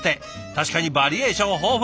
確かにバリエーション豊富。